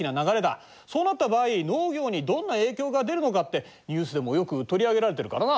そうなった場合農業にどんな影響が出るのかってニュースでもよく取り上げられてるからな。